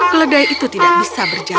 keledai itu tidak bisa berjalan